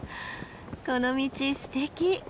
この道すてき！